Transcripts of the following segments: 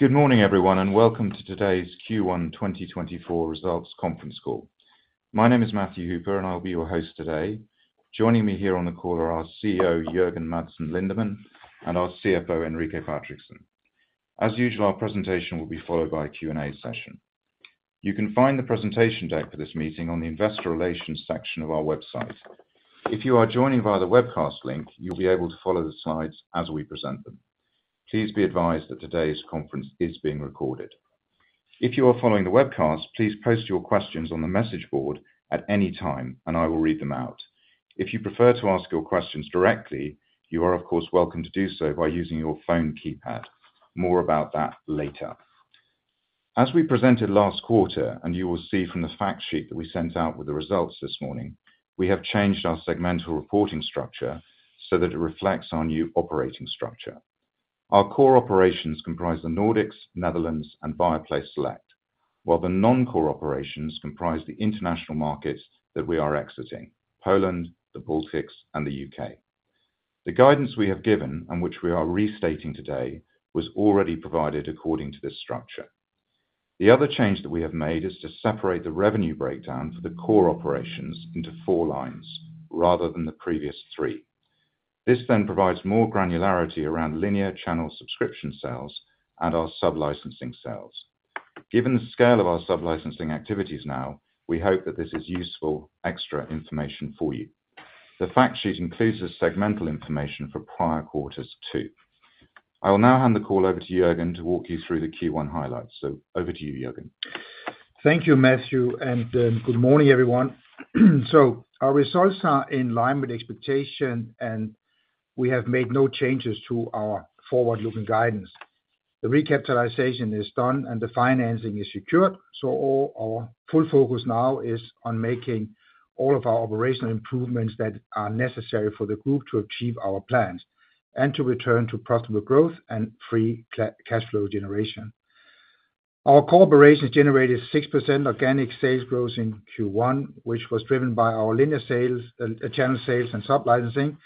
Good morning everyone, and welcome to today's Q1 2024 Results conference call. My name is Matthew Hooper, and I'll be your host today. Joining me here on the call are our CEO Jørgen Madsen Lindemann and our CFO Enrique Patrickson. As usual, our presentation will be followed by a Q&A session. You can find the presentation deck for this meeting on the Investor Relations section of our website. If you are joining via the webcast link, you'll be able to follow the slides as we present them. Please be advised that today's conference is being recorded. If you are following the webcast, please post your questions on the message board at any time, and I will read them out. If you prefer to ask your questions directly, you are, of course, welcome to do so by using your phone keypad. More about that later. As we presented last quarter, and you will see from the fact sheet that we sent out with the results this morning, we have changed our segmental reporting structure so that it reflects our new operating structure. Our core operations comprise the Nordics, Netherlands, and Viaplay Select, while the non-core operations comprise the international markets that we are exiting: Poland, the Baltics, and the U.K. The guidance we have given, and which we are restating today, was already provided according to this structure. The other change that we have made is to separate the revenue breakdown for the core operations into four lines, rather than the previous three. This then provides more granularity around linear channel subscription sales and our sublicensing sales. Given the scale of our sublicensing activities now, we hope that this is useful extra information for you. The fact sheet includes the segmental information for prior quarters too. I will now hand the call over to Jørgen to walk you through the Q1 highlights. So over to you, Jørgen. Thank you, Matthew, and good morning everyone. So our results are in line with expectation, and we have made no changes to our forward-looking guidance. The recapitalization is done, and the financing is secured. So all our full focus now is on making all of our operational improvements that are necessary for the group to achieve our plans and to return to profitable growth and free cash flow generation. Our corporation generated 6% organic sales growth in Q1, which was driven by our linear sales, channel sales, and sublicensing,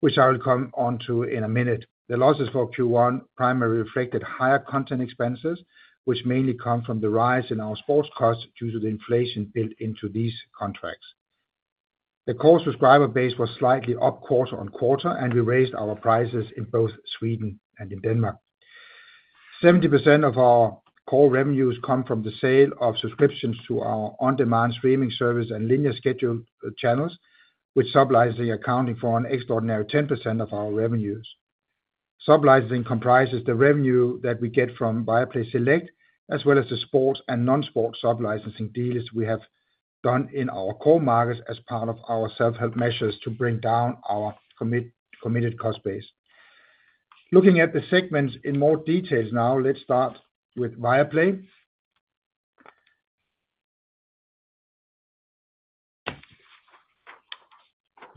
which I will come onto in a minute. The losses for Q1 primarily reflected higher content expenses, which mainly come from the rise in our sports costs due to the inflation built into these contracts. The core subscriber base was slightly up quarter-over-quarter, and we raised our prices in both Sweden and in Denmark. 70% of our core revenues come from the sale of subscriptions to our on-demand streaming service and linear scheduled channels, with sublicensing accounting for an extraordinary 10% of our revenues. Sublicensing comprises the revenue that we get from Viaplay Select, as well as the sports and non-sports sublicensing deals we have done in our core markets as part of our self-help measures to bring down our committed cost base. Looking at the segments in more details now, let's start with Viaplay.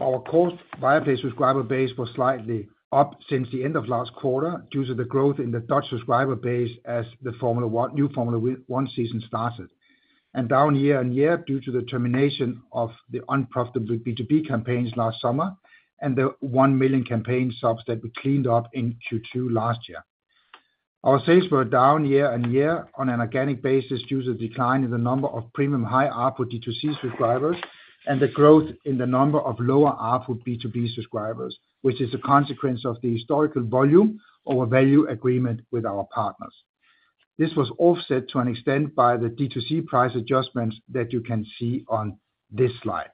Our core Viaplay subscriber base was slightly up since the end of last quarter due to the growth in the Dutch subscriber base as the Formula 1 new Formula 1 season started, and down year-on-year due to the termination of the unprofitable B2B campaigns last summer and the 1 million campaign subs that we cleaned up in Q2 last year. Our sales were down year-over-year on an organic basis due to the decline in the number of premium high ARPU B2C subscribers and the growth in the number of lower ARPU B2B subscribers, which is a consequence of the historical volume over value agreement with our partners. This was offset to an extent by the D2C price adjustments that you can see on this slide.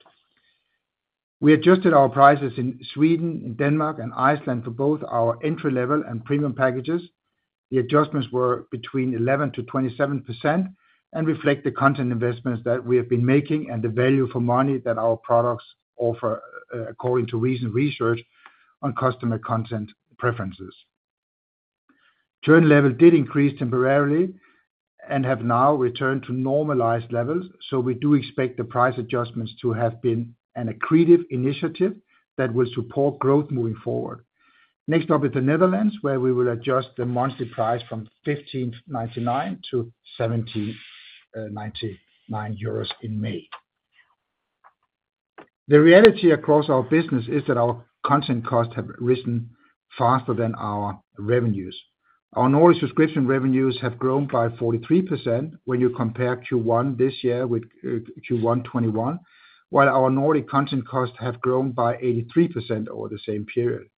We adjusted our prices in Sweden, Denmark, and Iceland for both our entry-level and premium packages. The adjustments were between 11%-27% and reflect the content investments that we have been making and the value for money that our products offer according to recent research on customer content preferences. Churn level did increase temporarily and have now returned to normalized levels, so we do expect the price adjustments to have been an accretive initiative that will support growth moving forward. Next up is the Netherlands, where we will adjust the monthly price from 15.99-17.99 euros in May. The reality across our business is that our content costs have risen faster than our revenues. Our Nordic subscription revenues have grown by 43% when you compare Q1 this year with Q1 2021, while our Nordic content costs have grown by 83% over the same period.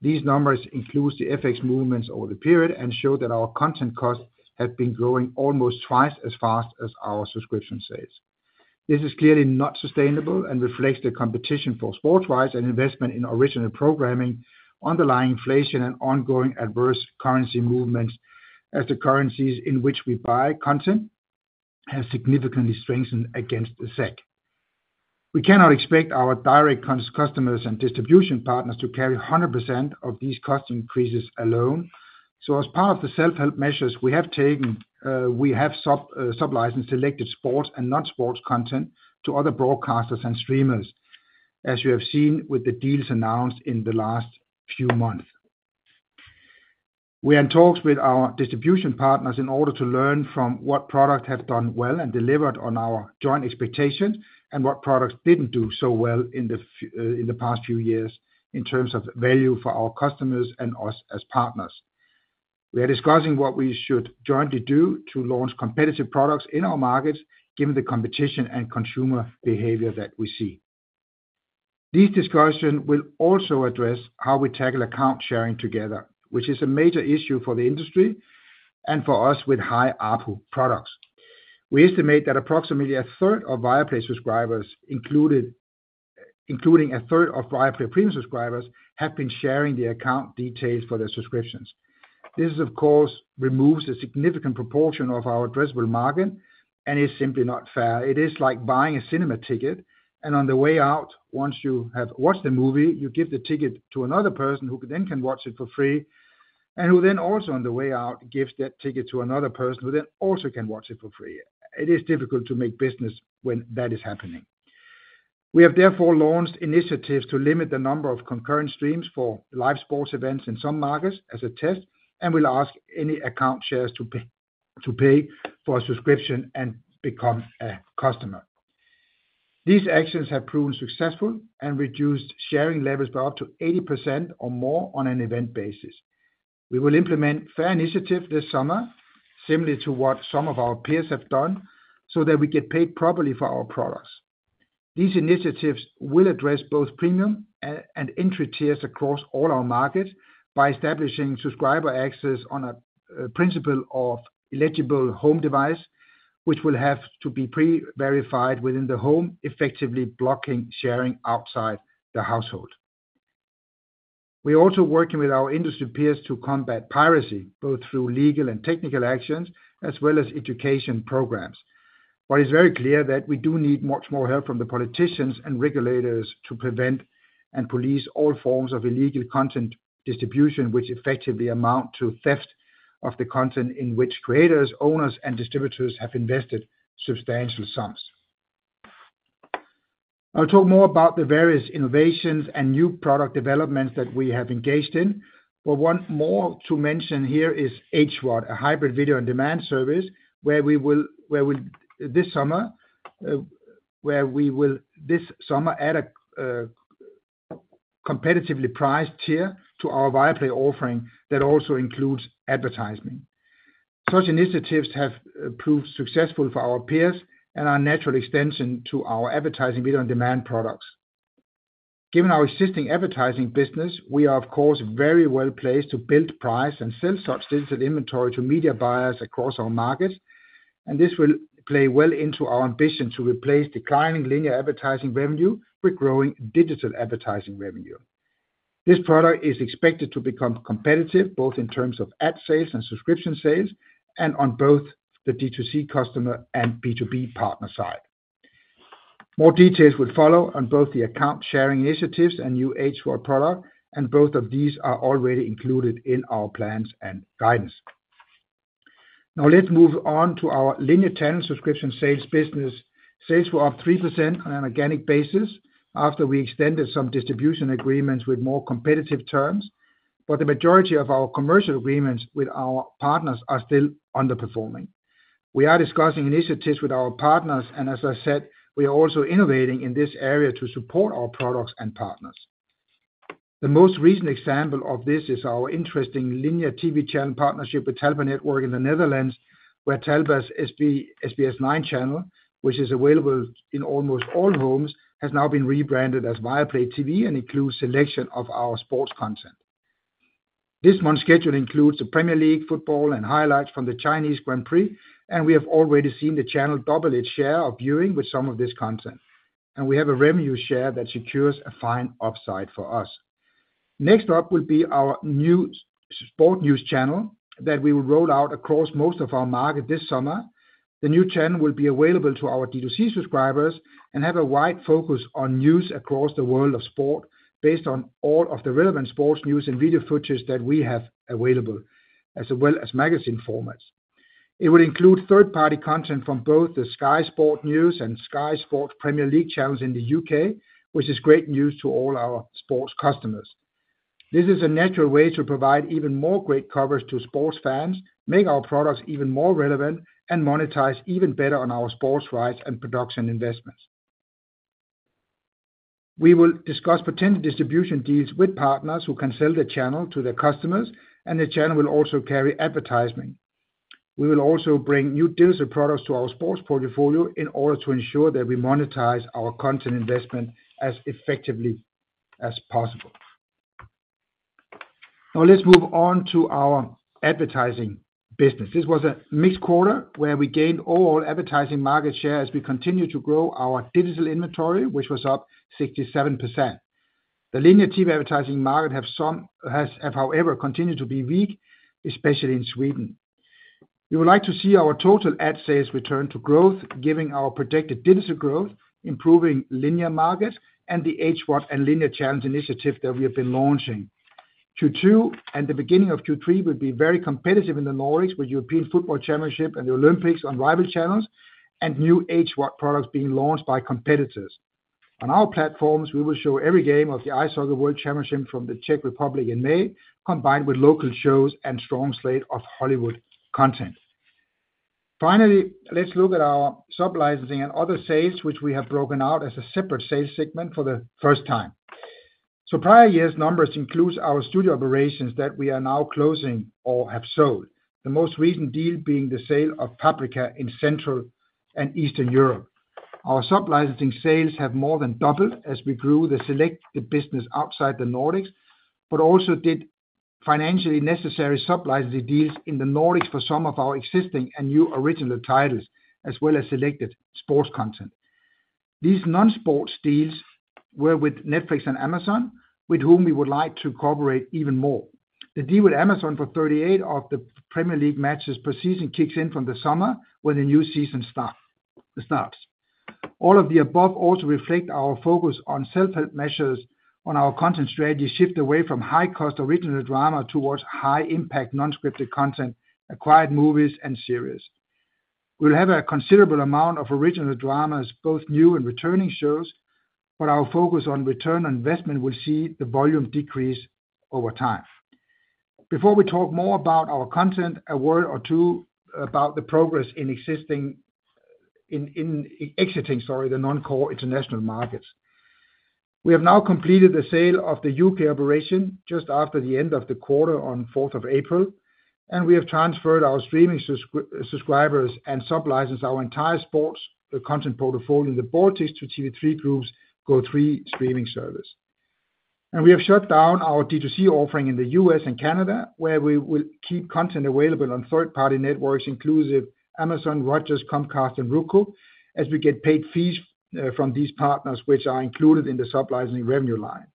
These numbers include the FX movements over the period and show that our content costs have been growing almost twice as fast as our subscription sales. This is clearly not sustainable and reflects the competition for sports rights and investment in original programming, underlying inflation, and ongoing adverse currency movements as the currencies in which we buy content have significantly strengthened against the SEK. We cannot expect our direct customers and distribution partners to carry 100% of these cost increases alone. As part of the self-help measures we have taken, we have sublicensed selected sports and non-sports content to other broadcasters and streamers, as you have seen with the deals announced in the last few months. We are in talks with our distribution partners in order to learn from what products have done well and delivered on our joint expectations and what products didn't do so well in the past few years in terms of value for our customers and us as partners. We are discussing what we should jointly do to launch competitive products in our markets given the competition and consumer behavior that we see. This discussion will also address how we tackle account sharing together, which is a major issue for the industry and for us with high ARPU products. We estimate that approximately a third of Viaplay subscribers, including a third of Viaplay premium subscribers, have been sharing the account details for their subscriptions. This, of course, removes a significant proportion of our addressable margin and is simply not fair. It is like buying a cinema ticket, and on the way out, once you have watched the movie, you give the ticket to another person who then can watch it for free, and who then also on the way out gives that ticket to another person who then also can watch it for free. It is difficult to make business when that is happening. We have therefore launched initiatives to limit the number of concurrent streams for live sports events in some markets as a test, and we'll ask any account shares to pay for a subscription and become a customer. These actions have proven successful and reduced sharing levels by up to 80% or more on an event basis. We will implement fair initiatives this summer, similarly to what some of our peers have done, so that we get paid properly for our products. These initiatives will address both premium and entry tiers across all our markets by establishing subscriber access on a principle of eligible home device, which will have to be pre-verified within the home, effectively blocking sharing outside the household. We are also working with our industry peers to combat piracy both through legal and technical actions, as well as education programs. What is very clear is that we do need much more help from the politicians and regulators to prevent and police all forms of illegal content distribution, which effectively amount to theft of the content in which creators, owners, and distributors have invested substantial sums. I'll talk more about the various innovations and new product developments that we have engaged in. But one more to mention here is HVOD, a hybrid video on demand service where we will this summer add a competitively priced tier to our Viaplay offering that also includes advertising. Such initiatives have proved successful for our peers and are a natural extension to our advertising video on demand products. Given our existing advertising business, we are, of course, very well placed to build price and sell such digital inventory to media buyers across our markets, and this will play well into our ambition to replace declining linear advertising revenue with growing digital advertising revenue. This product is expected to become competitive both in terms of ad sales and subscription sales and on both the D2C customer and B2B partner side. More details will follow on both the account sharing initiatives and new HVOD product, and both of these are already included in our plans and guidance. Now let's move on to our linear channel subscription sales business. Sales were up 3% on an organic basis after we extended some distribution agreements with more competitive terms, but the majority of our commercial agreements with our partners are still underperforming. We are discussing initiatives with our partners, and as I said, we are also innovating in this area to support our products and partners. The most recent example of this is our interesting linear TV channel partnership with Talpa Network in the Netherlands, where Talpa's SBS9 channel, which is available in almost all homes, has now been rebranded as Viaplay TV and includes a selection of our sports content. This month's schedule includes the Premier League football and highlights from the Chinese Grand Prix, and we have already seen the channel double its share of viewing with some of this content, and we have a revenue share that secures a fine upside for us. Next up will be our new sports news channel that we will roll out across most of our market this summer. The new channel will be available to our D2C subscribers and have a wide focus on news across the world of sport based on all of the relevant sports news and video footage that we have available, as well as magazine formats. It would include third-party content from both the Sky Sports News and Sky Sports Premier League channels in the U.K., which is great news to all our sports customers. This is a natural way to provide even more great coverage to sports fans, make our products even more relevant, and monetize even better on our sports rights and production investments. We will discuss potential distribution deals with partners who can sell the channel to their customers, and the channel will also carry advertising. We will also bring new deals and products to our sports portfolio in order to ensure that we monetize our content investment as effectively as possible. Now let's move on to our advertising business. This was a mixed quarter where we gained overall advertising market share as we continue to grow our digital inventory, which was up 67%. The linear TV advertising market has, however, continued to be weak, especially in Sweden. We would like to see our total ad sales return to growth, giving our projected digital growth, improving linear markets, and the HVOD and linear challenge initiative that we have been launching. Q2 and the beginning of Q3 will be very competitive in the Nordics with the European Football Championship and the Olympics on rival channels and new HVOD products being launched by competitors. On our platforms, we will show every game of the Ice Hockey World Championship from the Czech Republic in May, combined with local shows and a strong slate of Hollywood content. Finally, let's look at our sublicensing and other sales, which we have broken out as a separate sales segment for the first time. So prior year's numbers include our studio operations that we are now closing or have sold, the most recent deal being the sale of Paprika in Central and Eastern Europe. Our sublicensing sales have more than doubled as we grew the selected business outside the Nordics, but also did financially necessary sublicensing deals in the Nordics for some of our existing and new original titles, as well as selected sports content. These non-sports deals were with Netflix and Amazon, with whom we would like to cooperate even more. The deal with Amazon for 38 of the Premier League matches per season kicks in from the summer when the new season starts. All of the above also reflect our focus on self-help measures on our content strategy, shifting away from high-cost original drama towards high-impact non-scripted content, acquired movies, and series. We will have a considerable amount of original dramas, both new and returning shows, but our focus on return on investment will see the volume decrease over time. Before we talk more about our content, a word or two about the progress in exiting, sorry, the non-core international markets. We have now completed the sale of the U.K. operation just after the end of the quarter on April 4, and we have transferred our streaming subscribers and sublicensed our entire sports content portfolio in the Baltics to TV3 Group's Go3 streaming service. We have shut down our D2C offering in the U.S. and Canada, where we will keep content available on third-party networks including Amazon, Rogers, Comcast, and Roku, as we get paid fees from these partners, which are included in the sublicensing revenue line.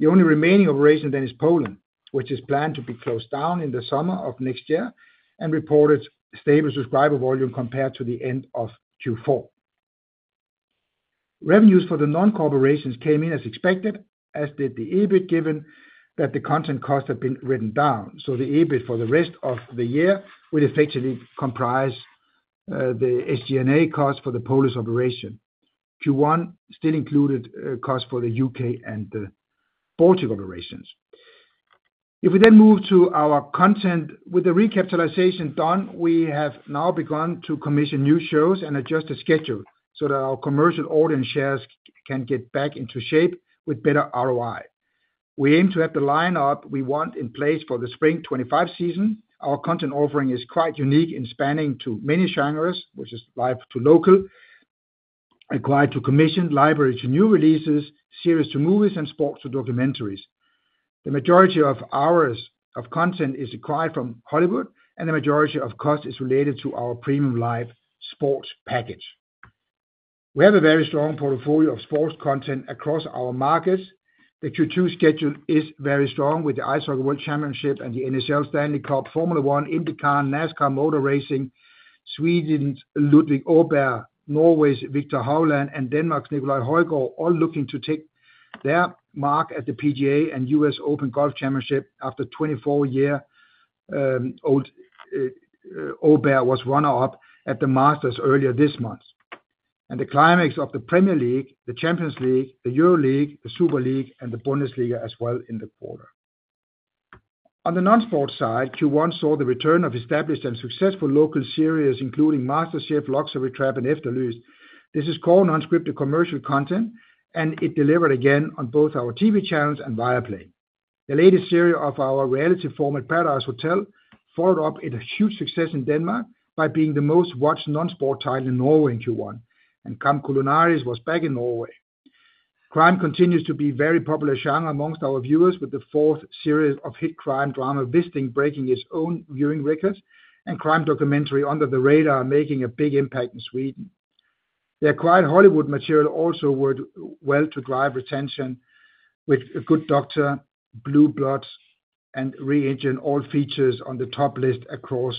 The only remaining operation then is Poland, which is planned to be closed down in the summer of next year and reported stable subscriber volume compared to the end of Q4. Revenues for the non-core operations came in as expected, as did the EBIT, given that the content costs had been written down. So the EBIT for the rest of the year would effectively comprise the SG&A costs for the Polish operation. Q1 still included costs for the U.K. and the Baltics operations. If we then move to our content with the recapitalization done, we have now begun to commission new shows and adjust the schedule so that our commercial audience shares can get back into shape with better ROI. We aim to have the lineup we want in place for the Spring 2025 season. Our content offering is quite unique in spanning many genres, which is live to local. Required to commission library to new releases, series to movies, and sports to documentaries. The majority of hours of content is acquired from Hollywood, and the majority of cost is related to our premium live sports package. We have a very strong portfolio of sports content across our markets. The Q2 schedule is very strong with the Ice Hockey World Championship and the NHL Stanley Cup, Formula One, IndyCar, NASCAR Motor Racing, Sweden's Ludvig Åberg, Norway's Viktor Hovland, and Denmark's Nicolai Højgaard all looking to take their mark at the PGA and U.S. Open Golf Championship after 24-year-old Åberg was runner-up at the Masters earlier this month. The climax of the Premier League, the Champions League, the Euro League, the Super League, and the Bundesliga as well in the quarter. On the non-sports side, Q1 saw the return of established and successful local series, including MasterChef, Luxury Trap, and Efterlyst. This is called non-scripted commercial content, and it delivered again on both our TV channels and Viaplay. The latest series of our reality format Paradise Hotel followed up with a huge success in Denmark by being the most watched non-sport title in Norway in Q1, and Camp Kulinaris was back in Norway. Crime continues to be a very popular genre amongst our viewers, with the fourth series of hit crime drama Wisting breaking its own viewing records and crime documentary Under the Radar making a big impact in Sweden. The acquired Hollywood material also worked well to drive retention, with The Good Doctor, Blue Bloods, and The Resident all featuring on the top list across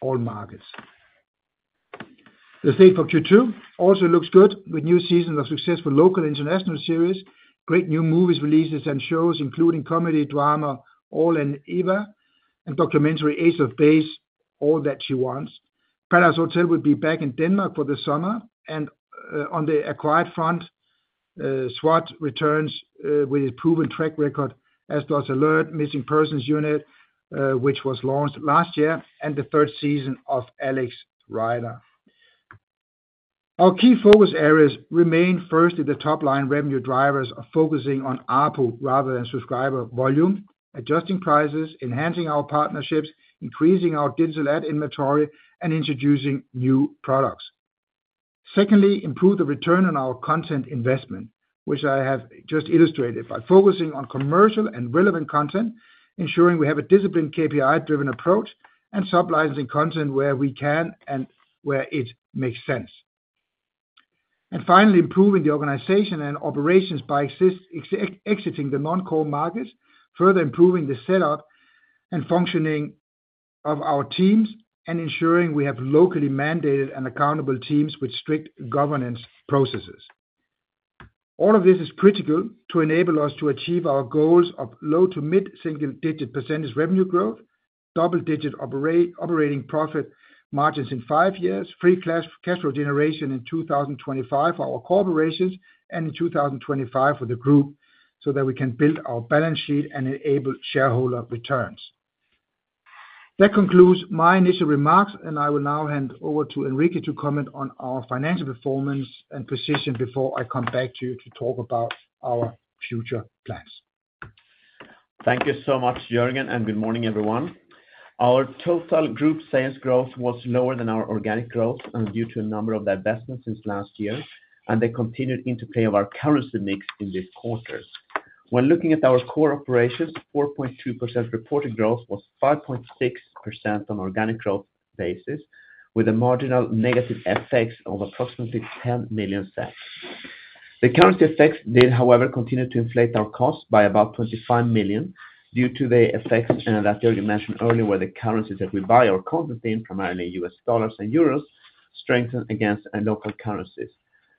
all markets. The stage for Q2 also looks good with new seasons of successful local and international series, great new movie releases and shows, including comedy, drama, Allt och Eva, and documentary Ace of Base: All That She Wants. Paradise Hotel will be back in Denmark for the summer, and on the acquired front, S.W.A.T. returns with a proven track record as does Alert: Missing Persons Unit, which was launched last year, and the third season of Alex Rider. Our key focus areas remain firstly the top-line revenue drivers, focusing on ARPU rather than subscriber volume, adjusting prices, enhancing our partnerships, increasing our digital ad inventory, and introducing new products. Secondly, improve the return on our content investment, which I have just illustrated by focusing on commercial and relevant content, ensuring we have a disciplined, KPI-driven approach, and sublicensing content where we can and where it makes sense. And finally, improving the organization and operations by exiting the non-core markets, further improving the setup and functioning of our teams, and ensuring we have locally mandated and accountable teams with strict governance processes. All of this is critical to enable us to achieve our goals of low- to mid-single-digit percentage revenue growth, double-digit operating profit margins in five years, free cash flow generation in 2025 for our corporations, and in 2025 for the group, so that we can build our balance sheet and enable shareholder returns. That concludes my initial remarks, and I will now hand over to Enrique to comment on our financial performance and position before I come back to you to talk about our future plans. Thank you so much, Jørgen, and good morning, everyone. Our total group sales growth was lower than our organic growth due to a number of the investments since last year, and they continued into play of our currency mix in this quarter. When looking at our core operations, 4.2% reported growth was 5.6% on an organic growth basis, with a marginal negative effect of approximately 10 million. The currency effects did, however, continue to inflate our costs by about 25 million due to the effects, and that Jørgen mentioned earlier, where the currencies that we buy our content in, primarily US dollars and Euros, strengthen against local currencies.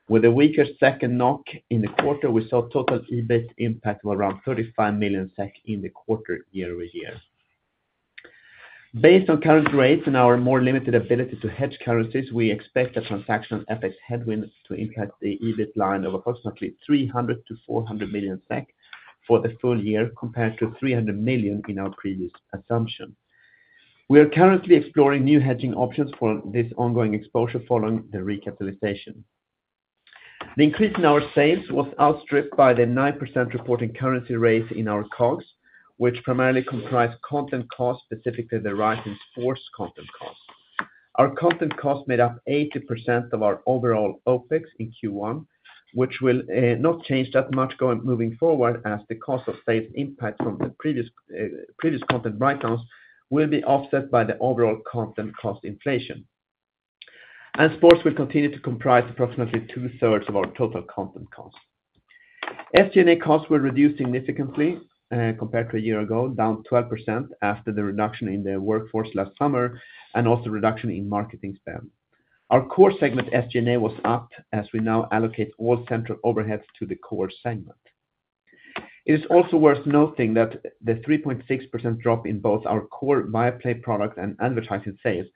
With a weaker SEK in the quarter, we saw total EBIT impact of around 35 million SEK in the quarter year-over-year. Based on current rates and our more limited ability to hedge currencies, we expect the transactional effects headwind to impact the EBIT line of approximately 300 million-400 million SEK for the full year, compared to 300 million in our previous assumption. We are currently exploring new hedging options for this ongoing exposure following the recapitalization. The increase in our sales was outstripped by the 9% reporting currency rate in our COGS, which primarily comprised content costs, specifically the rights and sports content costs. Our content costs made up 80% of our overall OPEX in Q1, which will not change that much moving forward, as the cost of sales impact from the previous content write-downs will be offset by the overall content cost inflation. Sports will continue to comprise approximately two-thirds of our total content costs. SG&A costs were reduced significantly compared to a year ago, down 12% after the reduction in the workforce last summer and also reduction in marketing spend. Our core segment SG&A was up as we now allocate all central overheads to the core segment. It is also worth noting that the 3.6% drop in both our core Viaplay product and advertising sales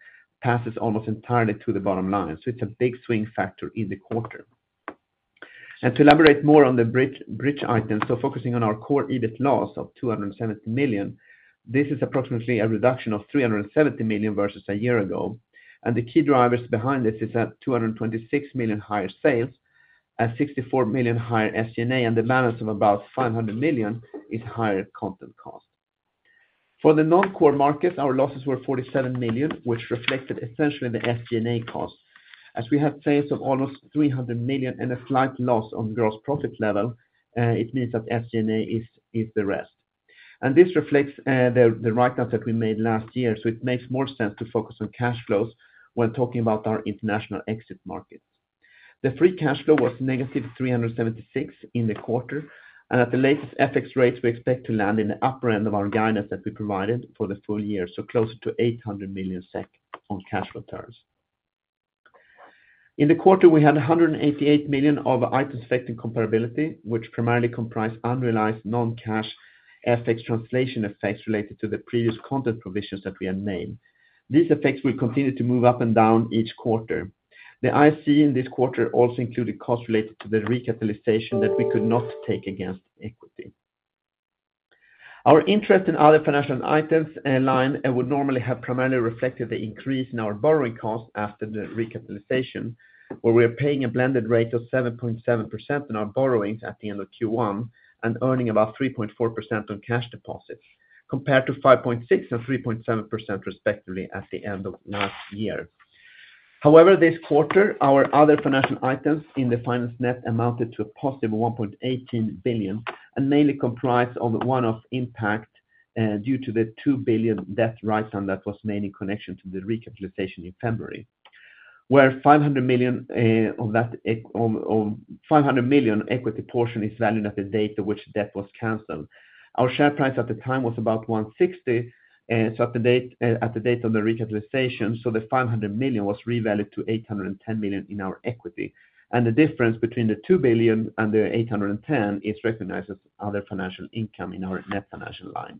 passes almost entirely to the bottom line, so it's a big swing factor in the quarter. To elaborate more on the bridge item, so focusing on our core EBIT loss of 270 million, this is approximately a reduction of 370 million vs a year ago. The key drivers behind this are 226 million higher sales, 64 million higher SG&A, and the balance of about 500 million is higher content cost. For the non-core markets, our losses were 47 million, which reflected essentially the SG&A costs. As we had sales of almost 300 million and a slight loss on gross profit level, it means that SG&A is the rest. This reflects the write-downs that we made last year, so it makes more sense to focus on cash flows when talking about our international exit markets. The free cash flow was negative 376 million in the quarter, and at the latest effects rates, we expect to land in the upper end of our guidance that we provided for the full year, so closer to 800 million SEK on cash returns. In the quarter, we had 188 million of items affecting comparability, which primarily comprised unrealized non-cash effects translation effects related to the previous content provisions that we had named. These effects will continue to move up and down each quarter. The IAC in this quarter also included costs related to the recapitalization that we could not take against equity. Our interest in other financial items line would normally have primarily reflected the increase in our borrowing costs after the recapitalization, where we are paying a blended rate of 7.7% on our borrowings at the end of Q1 and earning about 3.4% on cash deposits, compared to 5.6% and 3.7% respectively at the end of last year. However, this quarter, our other financial items in the finance net amounted to a positive 1.18 billion and mainly comprised of one-off impact due to the 2 billion debt write-down that was made in connection to the recapitalization in February, where 500 million of that 500 million equity portion is valued at the date at which debt was canceled. Our share price at the time was about 160 at the date of the recapitalization, so the 500 million was revalued to 810 million in our equity. The difference between the 2 billion and the 810 million is recognized as other financial income in our net financial line.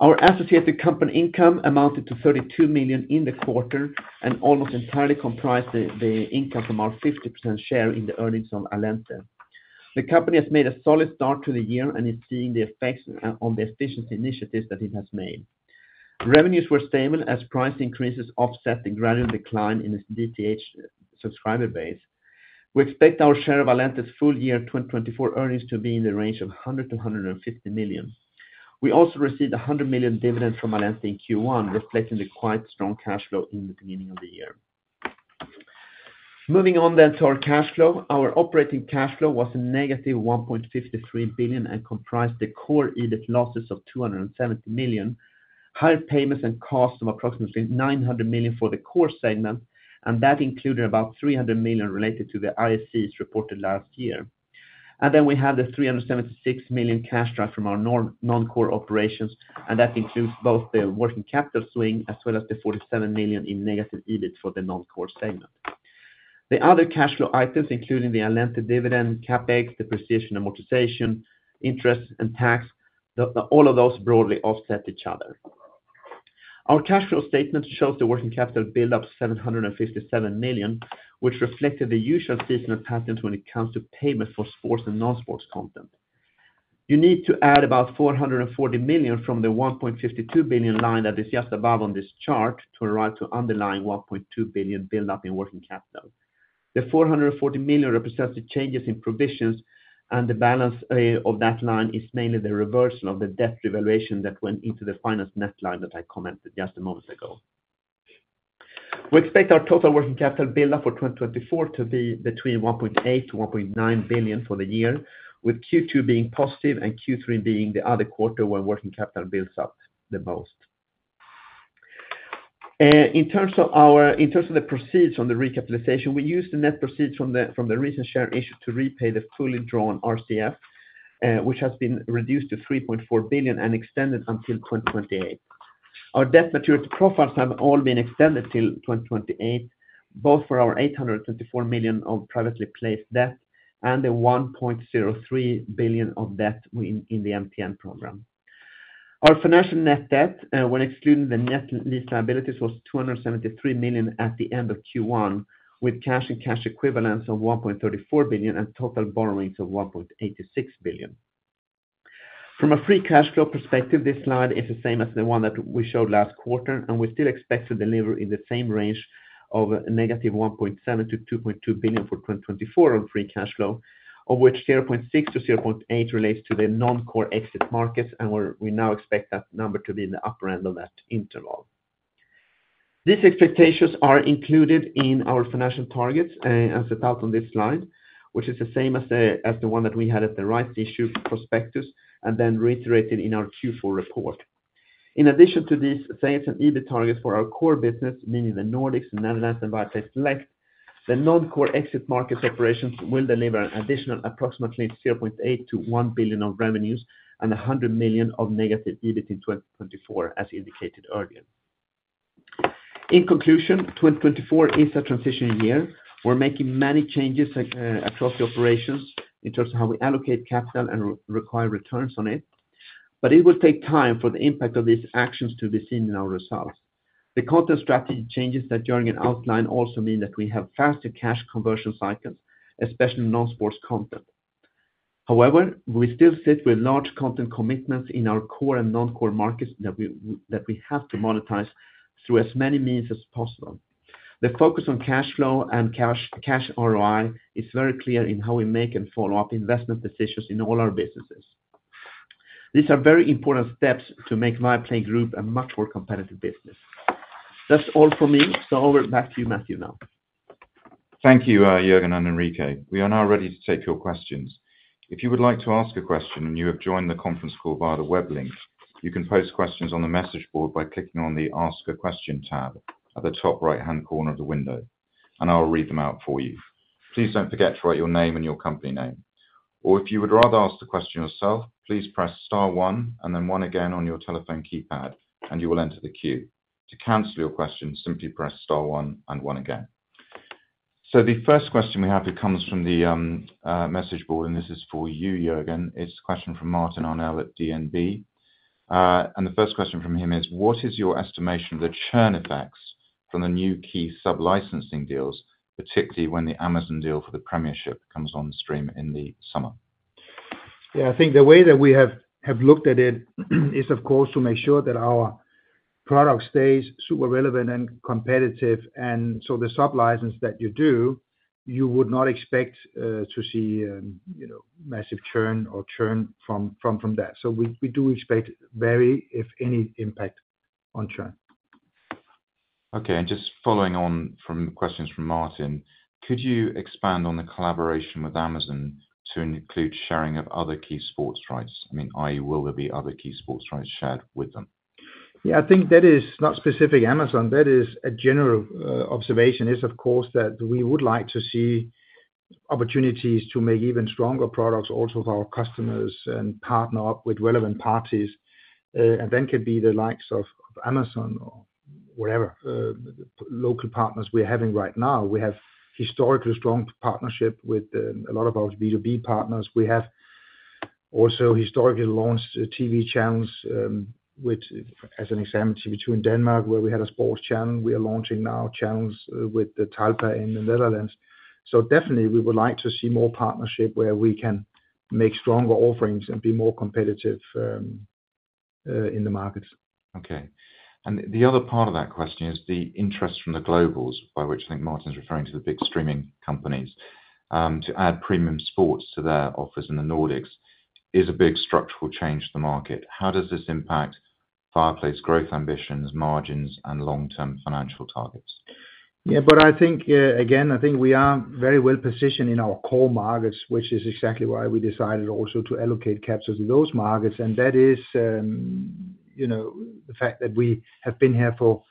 Our associated company income amounted to 32 million in the quarter and almost entirely comprised the income from our 50% share in the earnings of Allente. The company has made a solid start to the year and is seeing the effects on the efficiency initiatives that it has made. Revenues were stable as price increases offset the gradual decline in its DTH subscriber base. We expect our share of Allente's full year 2024 earnings to be in the range of 100 million-150 million. We also received 100 million dividend from Allente in Q1, reflecting the quite strong cash flow in the beginning of the year. Moving on then to our cash flow, our operating cash flow was negative 1.53 billion and comprised the core EBIT losses of 270 million, higher payments and costs of approximately 900 million for the core segment, and that included about 300 million related to the IACs reported last year. And then we have the 376 million cash derived from our non-core operations, and that includes both the working capital swing as well as the 47 million in negative EBIT for the non-core segment. The other cash flow items, including the Allente dividend, capex, the principal amortization, interest, and tax, all of those broadly offset each other. Our cash flow statement shows the working capital buildup of 757 million, which reflected the usual seasonal patterns when it comes to payments for sports and non-sports content. You need to add about 440 million from the 1.52 billion line that is just above on this chart to arrive to underlying 1.2 billion buildup in working capital. The 440 million represents the changes in provisions, and the balance of that line is mainly the reversal of the debt revaluation that went into the finance net line that I commented just a moment ago. We expect our total working capital buildup for 2024 to be between 1.8 billion-1.9 billion for the year, with Q2 being positive and Q3 being the other quarter when working capital builds up the most. In terms of the proceeds from the recapitalization, we used the net proceeds from the recent share issue to repay the fully drawn RCF, which has been reduced to 3.4 billion and extended until 2028. Our debt maturity profiles have all been extended till 2028, both for our 824 million of privately placed debt and the 1.03 billion of debt in the MTN program. Our financial net debt, when excluding the net lease liabilities, was 273 million at the end of Q1, with cash and cash equivalents of 1.34 billion and total borrowings of 1.86 billion. From a free cash flow perspective, this slide is the same as the one that we showed last quarter, and we still expect to deliver in the same range of 1.7 billion to -2.2 billion for 2024 on free cash flow, of which 0.6 billion-0.8 billion relates to the non-core exit markets, and we now expect that number to be in the upper end of that interval. These expectations are included in our financial targets as detailed on this slide, which is the same as the one that we had at the rights issue prospectus and then reiterated in our Q4 report. In addition to these sales and EBIT targets for our core business, meaning the Nordics, the Netherlands, and Viaplay Select, the non-core exit markets operations will deliver an additional approximately 0.8 billion-1 billion of revenues and -100 million EBIT in 2024, as indicated earlier. In conclusion, 2024 is a transition year. We're making many changes across the operations in terms of how we allocate capital and require returns on it, but it will take time for the impact of these actions to be seen in our results. The content strategy changes that Jørgen outlined also mean that we have faster cash conversion cycles, especially non-sports content. However, we still sit with large content commitments in our core and non-core markets that we have to monetize through as many means as possible. The focus on cash flow and cash ROI is very clear in how we make and follow up investment decisions in all our businesses. These are very important steps to make Viaplay Group a much more competitive business. That's all from me. So over back to you, Matthew, now. Thank you, Jørgen and Enrique. We are now ready to take your questions. If you would like to ask a question and you have joined the conference call via the web link, you can post questions on the message board by clicking on the ask a question tab at the top right-hand corner of the window, and I'll read them out for you. Please don't forget to write your name and your company name. Or if you would rather ask the question yourself, please press star one and then one again on your telephone keypad, and you will enter the queue. To cancel your question, simply press star one and one again. So the first question we have here comes from the message board, and this is for you, Jørgen. It's a question from Martin Arnell at DNB. And the first question from him is, what is your estimation of the churn effects from the new key sublicensing deals, particularly when the Amazon deal for the Premier League comes on stream in the summer? Yeah, I think the way that we have looked at it is, of course, to make sure that our product stays super relevant and competitive. And so the sublicense that you do, you would not expect to see massive churn or churn from that. So we do expect very, if any, impact on churn. Okay. And just following on from questions from Martin, could you expand on the collaboration with Amazon to include sharing of other key sports rights? I mean, i.e., will there be other key sports rights shared with them? Yeah, I think that is not specific Amazon. That is a general observation, of course, that we would like to see opportunities to make even stronger products also with our customers and partner up with relevant parties. And that can be the likes of Amazon or whatever local partners we're having right now. We have historically strong partnership with a lot of our B2B partners. We have also historically launched TV channels as an example TV2 in Denmark, where we had a sports channel we are launching now, channels with the Talpa in the Netherlands. So definitely, we would like to see more partnership where we can make stronger offerings and be more competitive in the markets. Okay. The other part of that question is the interest from the globals, by which I think Martin's referring to the big streaming companies, to add premium sports to their offers in the Nordics is a big structural change to the market. How does this impact Viaplay's growth ambitions, margins, and long-term financial targets? Yeah, but I think, again, I think we are very well positioned in our core markets, which is exactly why we decided also to allocate capital to those markets. And that is the fact that we have been here for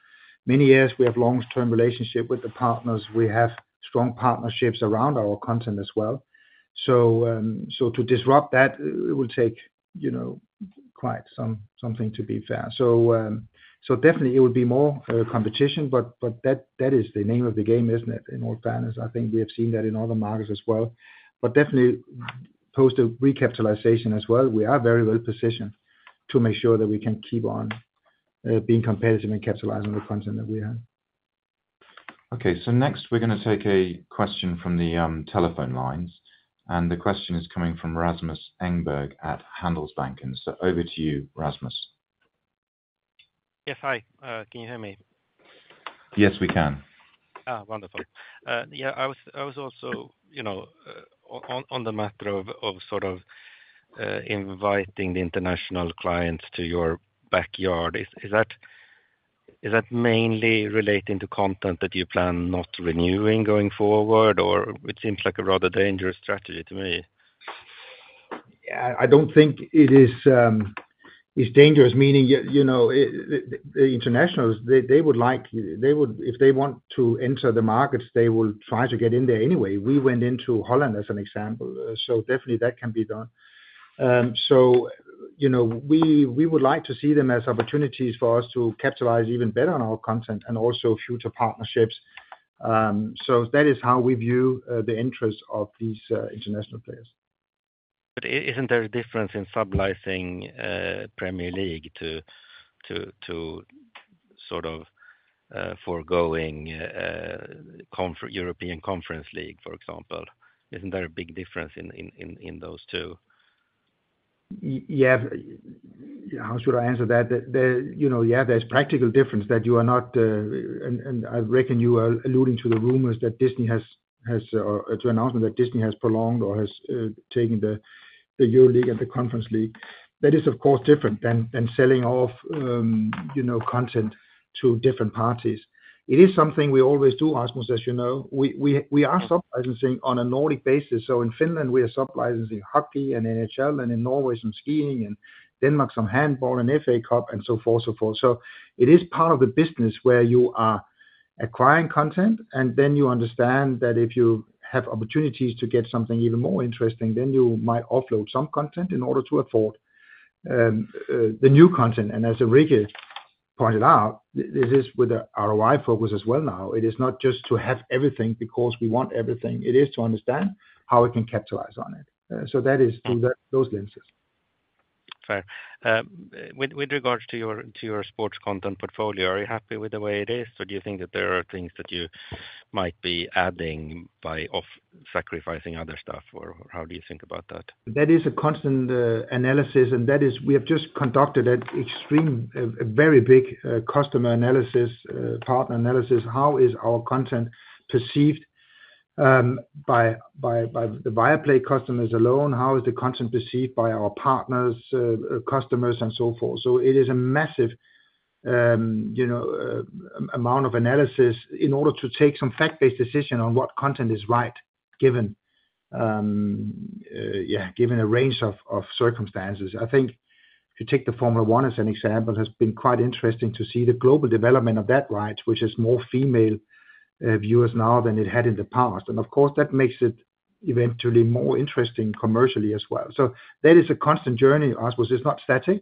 many years. We have long-term relationships with the partners. We have strong partnerships around our content as well. So to disrupt that, it will take quite something to be fair. So definitely, it would be more competition, but that is the name of the game, isn't it, in all fairness? I think we have seen that in other markets as well. But definitely, post a recapitalization as well, we are very well positioned to make sure that we can keep on being competitive and capitalizing on the content that we have. Okay. So next, we're going to take a question from the telephone lines. And the question is coming from Rasmus Engberg at Handelsbanken. So over to you, Rasmus. Yes, hi. Can you hear me? Yes, we can. Wonderful. Yeah, I was also on the matter of sort of inviting the international clients to your backyard. Is that mainly relating to content that you plan not renewing going forward, or it seems like a rather dangerous strategy to me? Yeah, I don't think it is dangerous, meaning the internationals, they would like if they want to enter the markets, they will try to get in there anyway. We went into Holland as an example. Definitely, that can be done. We would like to see them as opportunities for us to capitalize even better on our content and also future partnerships. That is how we view the interests of these international players. But isn't there a difference in sublicensing Premier League to sort of foregoing European Conference League, for example? Isn't there a big difference in those two? Yeah. How should I answer that? Yeah, there's practical difference that you are not and I reckon you are alluding to the rumours that Disney has an announcement that Disney has prolonged or has taken the Europa League and the Conference League. That is, of course, different than selling off content to different parties. It is something we always do, Rasmus, as you know. We are sublicensing on a Nordic basis. So in Finland, we are sublicensing hockey and NHL, and in Norway, some skiing, and Denmark, some handball and FA Cup, and so forth, so forth. So it is part of the business where you are acquiring content, and then you understand that if you have opportunities to get something even more interesting, then you might offload some content in order to afford the new content. And as Enrique pointed out, this is with an ROI focus as well now. It is not just to have everything because we want everything. It is to understand how we can capitalize on it. So that is through those lenses. Faie. With regards to your sports content portfolio, are you happy with the way it is, or do you think that there are things that you might be adding by sacrificing other stuff, or how do you think about that? That is a constant analysis, and we have just conducted a very big customer analysis, partner analysis. How is our content perceived by the Viaplay customers alone? How is the content perceived by our partners, customers, and so forth? So it is a massive amount of analysis in order to take some fact-based decision on what content is right, yeah, given a range of circumstances. I think if you take the Formula 1 as an example, it has been quite interesting to see the global development of those rights, which has more female viewers now than it had in the past. And of course, that makes it eventually more interesting commercially as well. So that is a constant journey, Rasmus. It's not static.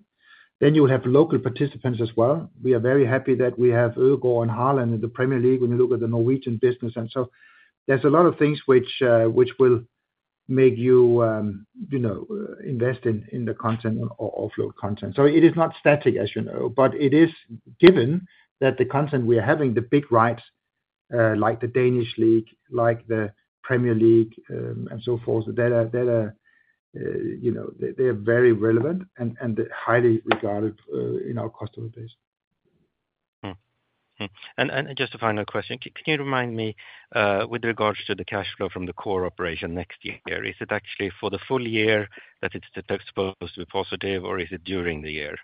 Then you will have local participants as well. We are very happy that we have Ødegaard and Haaland in the Premier League when you look at the Norwegian business. So there's a lot of things which will make you invest in the content or offload content. So it is not static, as you know, but it is given that the content we are having, the big rights like the Danish League, like the Premier League, and so forth, that they are very relevant and highly regarded in our customer base. And just a final question. Can you remind me, with regards to the cash flow from the core operation next year, is it actually for the full year that it's supposed to be positive, or is it during the year?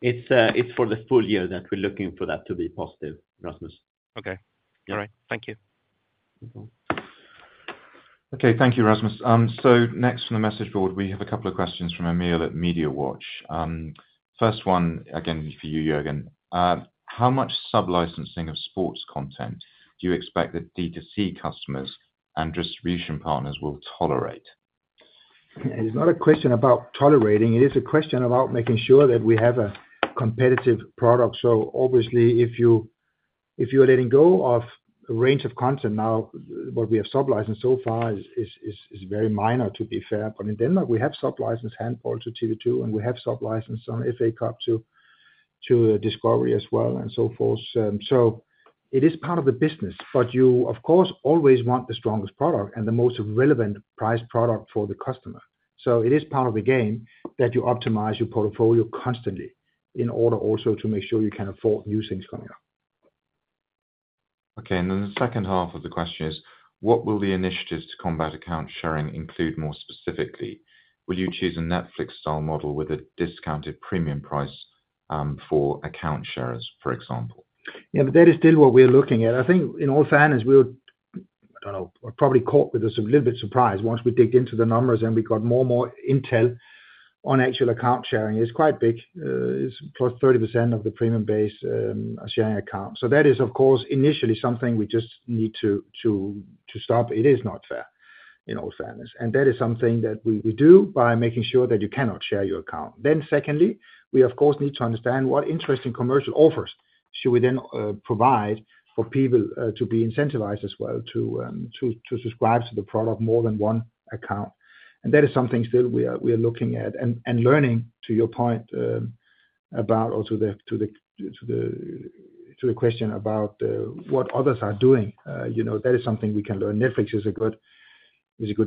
It's for the full year that we're looking for that to be positive, Rasmus. Okay. All right. Thank you. Okay. Thank you, Rasmus. So next from the message board, we have a couple of questions from Emil at MediaWatch. First one, again, for you, Jørgen. How much sublicensing of sports content do you expect that D2C customers and distribution partners will tolerate? It is not a question about tolerating. It is a question about making sure that we have a competitive product. So obviously, if you are letting go of a range of content now, what we have sublicensed so far is very minor, to be fair. But in Denmark, we have sublicensed handball to TV2, and we have sublicensed some FA Cup to Discovery as well and so forth. So it is part of the business, but you, of course, always want the strongest product and the most relevant priced product for the customer. So it is part of the game that you optimize your portfolio constantly in order also to make sure you can afford new things coming up. Okay. And then the second half of the question is, what will the initiatives to combat account sharing include more specifically? Will you choose a Netflix-style model with a discounted premium price for account sharers, for example? Yeah, but that is still what we are looking at. I think in all fairness, we were I don't know, probably caught with a little bit surprise once we dug into the numbers and we got more and more intel on actual account sharing. It's quite big. It's +30% of the premium base sharing accounts. So that is, of course, initially something we just need to stop. It is not fair in all fairness. That is something that we do by making sure that you cannot share your account. Then, secondly, we, of course, need to understand what interesting commercial offers should we then provide for people to be incentivized as well to subscribe to the product more than one account. And that is something still we are looking at and learning, to your point, about or to the question about what others are doing. That is something we can learn. Netflix is a good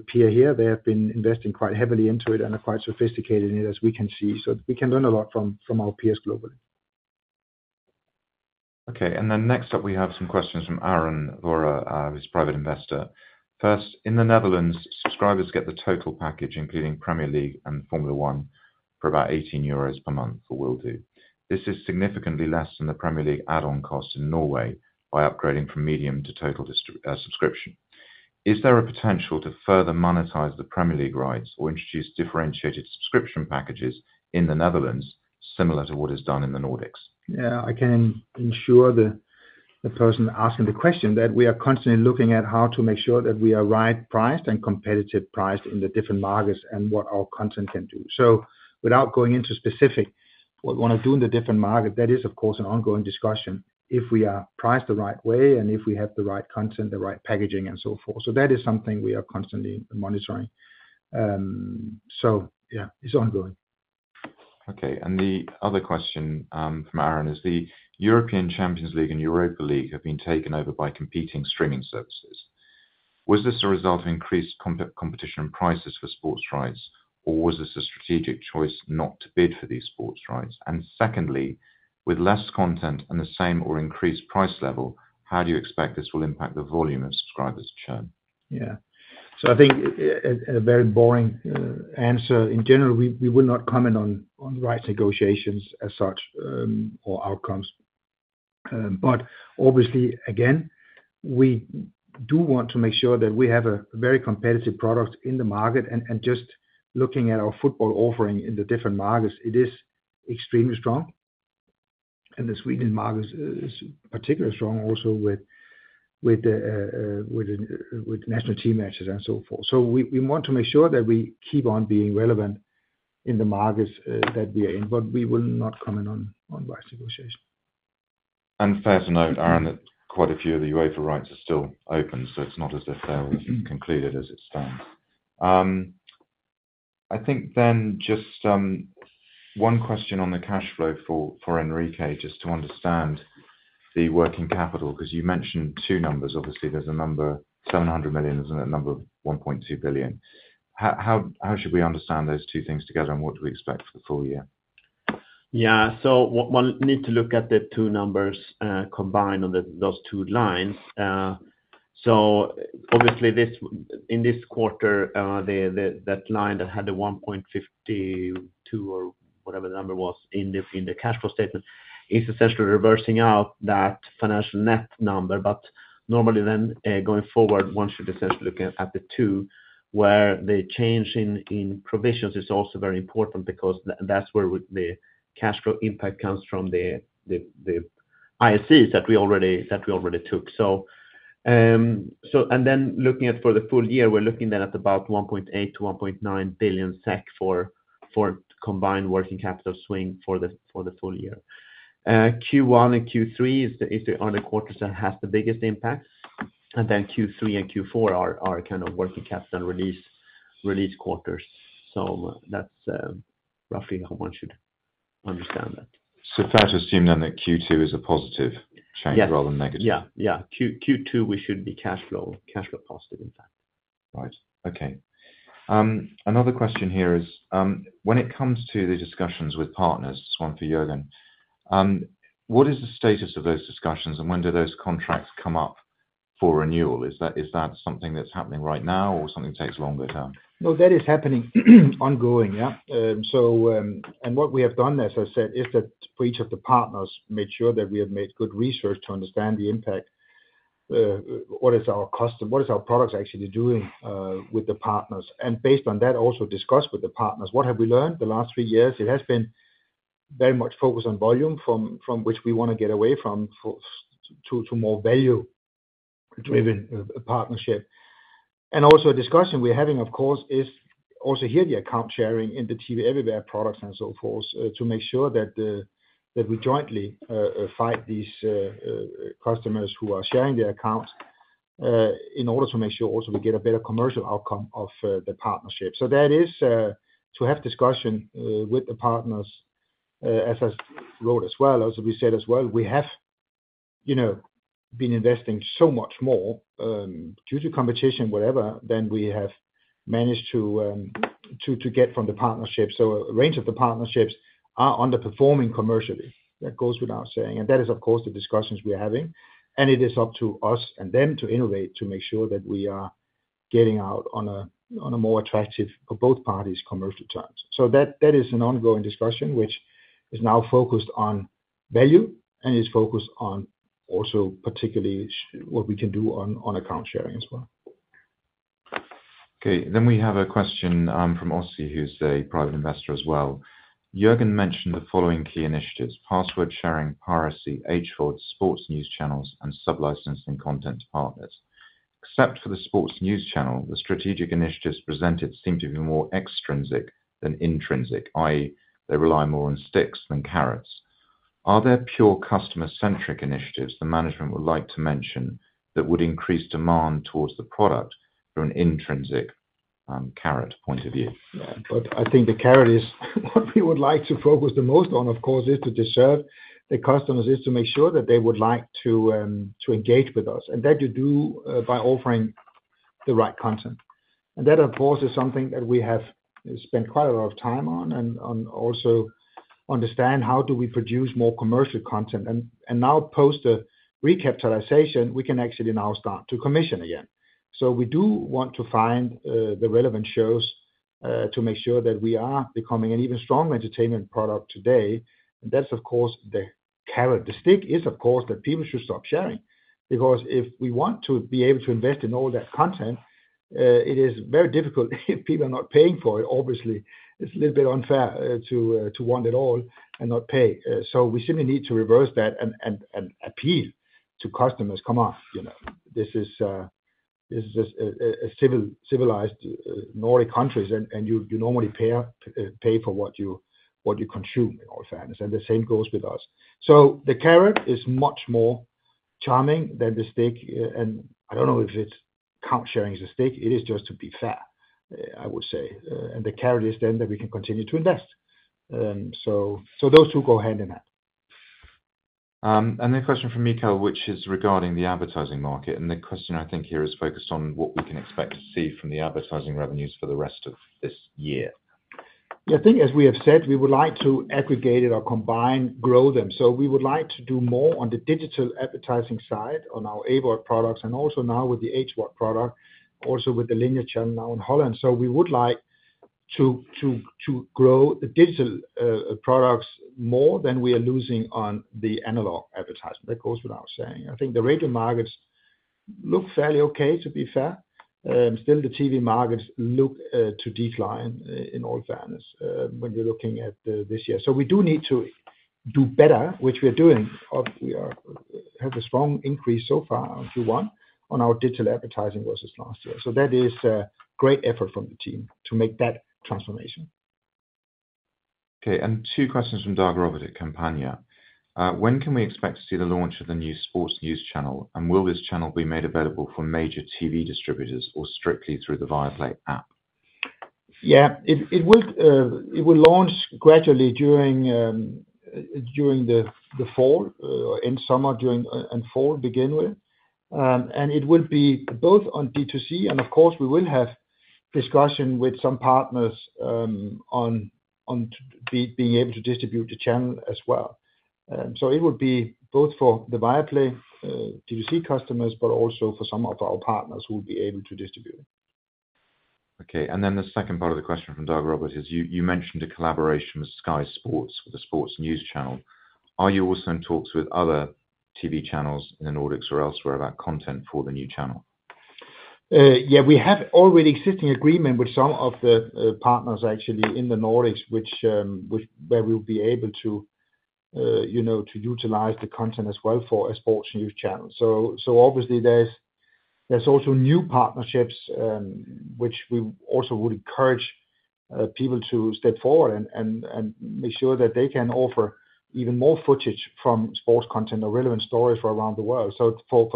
peer here. They have been investing quite heavily into it and are quite sophisticated in it, as we can see. So we can learn a lot from our peers globally. Okay. And then next up, we have some questions from Aaron Vora, who's a private investor. First, in the Netherlands, subscribers get the total package, including Premier League and Formula 1, for about 18 euros per month for Viaplay. This is significantly less than the Premier League add-on cost in Norway by upgrading from medium to total subscription. Is there a potential to further monetize the Premier League rights or introduce differentiated subscription packages in the Netherlands, similar to what is done in the Nordics? Yeah, I can ensure the person asking the question that we are constantly looking at how to make sure that we are right-priced and competitive-priced in the different markets and what our content can do. So without going into specific, what we want to do in the different market, that is, of course, an ongoing discussion, if we are priced the right way and if we have the right content, the right packaging, and so forth. So that is something we are constantly monitoring. So yeah, it's ongoing. Okay. And the other question from Aaron is, the European Champions League and Europa League have been taken over by competing streaming services. Was this a result of increased competition and prices for sports rights, or was this a strategic choice not to bid for these sports rights? And secondly, with less content and the same or increased price level, how do you expect this will impact the volume of subscribers churn? Yeah. So I think a very boring answer. In general, we will not comment on rights negotiations as such or outcomes. But obviously, again, we do want to make sure that we have a very competitive product in the market. And just looking at our football offering in the different markets, it is extremely strong. The Sweden market is particularly strong also with national team matches and so forth. We want to make sure that we keep on being relevant in the markets that we are in, but we will not comment on rights negotiation. Fair to note, Aaron, that quite a few of the UEFA rights are still open, so it's not as if they're concluded as it stands. I think then just one question on the cash flow for Enrique, just to understand the working capital, because you mentioned two numbers. Obviously, there's a number, 700 million, isn't it, a number of 1.2 billion. How should we understand those two things together, and what do we expect for the full year? Yeah. So one needs to look at the two numbers combined on those two lines. So obviously, in this quarter, that line that had the 1.52 or whatever the number was in the cash flow statement is essentially reversing out that financial net number. But normally then, going forward, one should essentially look at the two, where the change in provisions is also very important because that's where the cash flow impact comes from, the IACs that we already took. And then looking at for the full year, we're looking then at about 1.8 billion- 1.9 billion SEK for combined working capital swing for the full year. Q1 and Q3 are the quarters that have the biggest impacts. And then Q3 and Q4 are kind of working capital and release quarters. So that's roughly how one should understand that. So fair to assume then that Q2 is a positive change rather than negative? Yeah. Yeah. Q2, we should be cash flow positive, in fact. Right. Okay. Another question here is, when it comes to the discussions with partners, this one for Jørgen, what is the status of those discussions, and when do those contracts come up for renewal? Is that something that's happening right now, or something that takes longer term? No, that is happening ongoing, yeah. And what we have done there, as I said, is that for each of the partners, made sure that we have made good research to understand the impact, what is our products actually doing with the partners. And based on that, also discuss with the partners, what have we learned the last three years? It has been very much focused on volume from which we want to get away from to more value-driven partnership. And also a discussion we're having, of course, is also regarding the account sharing in the TV Everywhere products and so forth to make sure that we jointly fight these customers who are sharing their accounts in order to make sure also we get a better commercial outcome of the partnership. So that is to have discussion with the partners, as I wrote as well. As we said as well, we have been investing so much more due to competition, whatever, than we have managed to get from the partnership. So a range of the partnerships are underperforming commercially. That goes without saying. And that is, of course, the discussions we're having. And it is up to us and them to innovate to make sure that we are getting out on a more attractive for both parties commercial terms. So that is an ongoing discussion, which is now focused on value and is focused on also particularly what we can do on account sharing as well. Okay. Then we have a question from Ossi, who's a private investor as well. Jørgen mentioned the following key initiatives: password sharing, piracy, HVOD, sports news channels, and sublicensing content to partners. Except for the sports news channel, the strategic initiatives presented seem to be more extrinsic than intrinsic, i.e., they rely more on sticks than carrots. Are there pure customer-centric initiatives the management would like to mention that would increase demand towards the product from an intrinsic carrot point of view? Yeah. I think the carrot is what we would like to focus the most on, of course, is to deserve the customers, is to make sure that they would like to engage with us and that you do by offering the right content. That, of course, is something that we have spent quite a lot of time on and also understand how do we produce more commercial content. Now post a recapitalization, we can actually now start to commission again. We do want to find the relevant shows to make sure that we are becoming an even stronger entertainment product today. That's, of course, the carrot. The stick is, of course, that people should stop sharing because if we want to be able to invest in all that content, it is very difficult if people are not paying for it. Obviously, it's a little bit unfair to want it all and not pay. So we simply need to reverse that and appeal to customers, "Come on. This is just civilized Nordic countries, and you normally pay for what you consume, in all fairness." And the same goes with us. So the carrot is much more charming than the stick. And I don't know if it's account sharing as a stick. It is just to be fair, I would say. And the carrot is then that we can continue to invest. So those two go hand in hand. And then a question from Mikael, which is regarding the advertising market. And the question, I think, here is focused on what we can expect to see from the advertising revenues for the rest of this year. Yeah. I think, as we have said, we would like to aggregate it or combine, grow them. So we would like to do more on the digital advertising side on our AVOD products and also now with the HVOD product, also with the linear channel now in Holland. So we would like to grow the digital products more than we are losing on the analog advertisement. That goes without saying. I think the radio markets look fairly okay, to be fair. Still, the TV markets look to decline, in all fairness, when you're looking at this year. So we do need to do better, which we are doing. We have a strong increase so far on Q1 on our digital advertising vs last year. So that is a great effort from the team to make that transformation. Okay. And two questions from Dag Robert at Kampanje. When can we expect to see the launch of the new sports news channel, and will this channel be made available for major TV distributors or strictly through the Viaplay app? Yeah. It will launch gradually during the fall or end summer and fall, to begin with. It will be both on D2C. Of course, we will have discussion with some partners on being able to distribute the channel as well. So it would be both for the Viaplay D2C customers, but also for some of our partners who will be able to distribute it. Okay. Then the second part of the question from Dag Robert is, you mentioned a collaboration with Sky Sports for the sports news channel. Are you also in talks with other TV channels in the Nordics or elsewhere about content for the new channel? Yeah. We have already existing agreement with some of the partners, actually, in the Nordics, where we will be able to utilize the content as well for a sports news channel. So obviously, there's also new partnerships, which we also would encourage people to step forward and make sure that they can offer even more footage from sports content or relevant stories from around the world. So for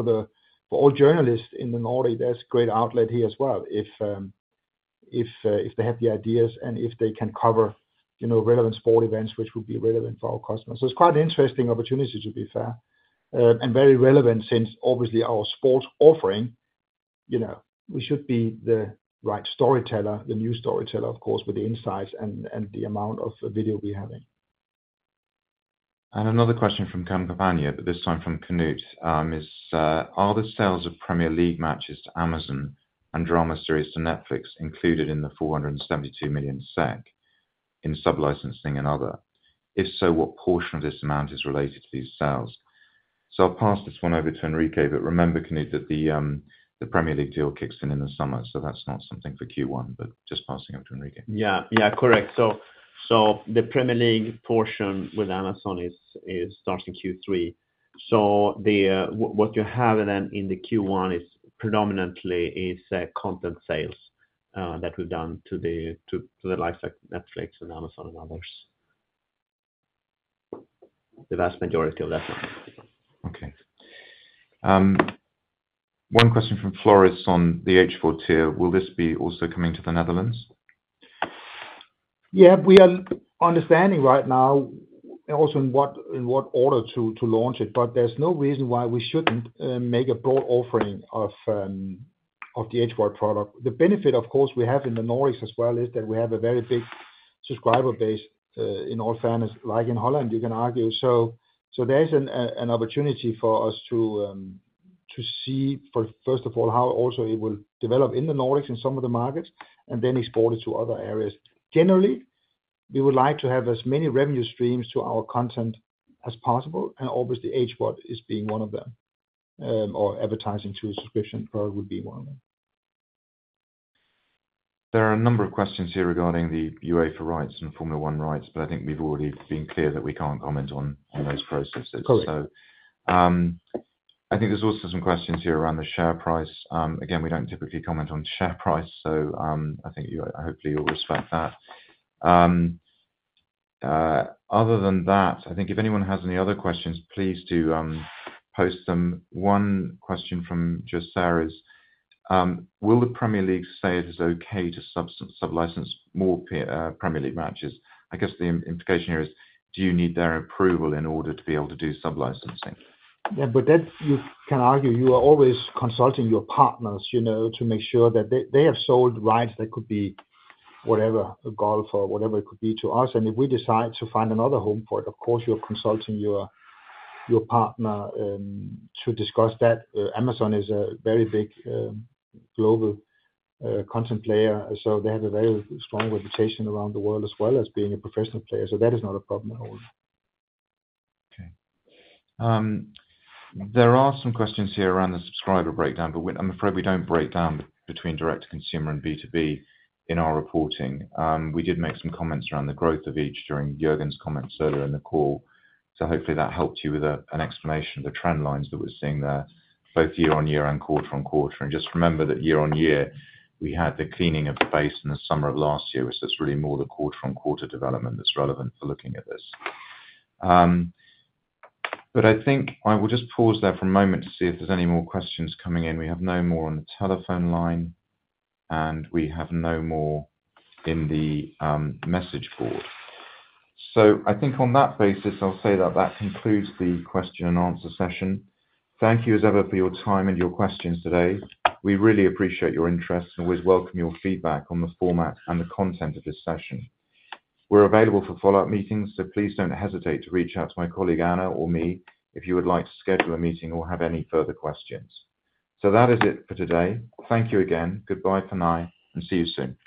all journalists in the Nordic, there's a great outlet here as well if they have the ideas and if they can cover relevant sport events, which would be relevant for our customers. So it's quite an interesting opportunity, to be fair, and very relevant since, obviously, our sports offering, we should be the right storyteller, the news storyteller, of course, with the insights and the amount of video we're having. Another question from Kampanje, but this time from Knut, is, are the sales of Premier League matches to Amazon and drama series to Netflix included in the 472 million SEK in sublicensing and other? If so, what portion of this amount is related to these sales? So I'll pass this one over to Enrique, but remember, Knut, that the Premier League deal kicks in in the summer, so that's not something for Q1, but just passing over to Enrique. Yeah. Yeah. Correct. So the Premier League portion with Amazon starts in Q3. So what you have then in the Q1 predominantly is content sales that we've done to the likes of Netflix and Amazon and others, the vast majority of that. Okay. One question from Floris on the HVOD tier. Will this be also coming to the Netherlands? Yeah. We are understanding right now also in what order to launch it, but there's no reason why we shouldn't make a broad offering of the HVOD product. The benefit, of course, we have in the Nordics as well is that we have a very big subscriber base, in all fairness, like in Holland, you can argue. So there's an opportunity for us to see, first of all, how also it will develop in the Nordics and some of the markets and then export it to other areas. Generally, we would like to have as many revenue streams to our content as possible, and obviously, HVOD is being one of them, or advertising to a subscription product would be one of them. There are a number of questions here regarding the UEFA rights and Formula 1 rights, but I think we've already been clear that we can't comment on those processes. I think there's also some questions here around the share price. Again, we don't typically comment on share price, so I hopefully you'll respect that. Other than that, I think if anyone has any other questions, please do post them. One question from just Sarah is, will the Premier League say it is okay to sublicense more Premier League matches? I guess the implication here is, do you need their approval in order to be able to do sublicensing? Yeah. But you can argue you are always consulting your partners to make sure that they have sold rights that could be whatever, a golf or whatever it could be to us. And if we decide to find another home for it, of course, you're consulting your partner to discuss that. Amazon is a very big global content player, so they have a very strong reputation around the world as well as being a professional player. So that is not a problem at all. Okay. There are some questions here around the subscriber breakdown, but I'm afraid we don't break down between direct to consumer and B2B in our reporting. We did make some comments around the growth of each during Jørgen's comments earlier in the call. So hopefully, that helped you with an explanation of the trend lines that we're seeing there, both year-on-year and quarter-on-quarter. And just remember that year-on-year, we had the cleaning of the base in the summer of last year. So it's really more the quarter-on-quarter development that's relevant for looking at this. I think I will just pause there for a moment to see if there's any more questions coming in. We have no more on the telephone line, and we have no more in the message board. I think on that basis, I'll say that that concludes the question and answer session. Thank you, as ever, for your time and your questions today. We really appreciate your interest and always welcome your feedback on the format and the content of this session. We're available for follow-up meetings, so please don't hesitate to reach out to my colleague, Anna, or me if you would like to schedule a meeting or have any further questions. That is it for today. Thank you again. Goodbye for now, and see you soon.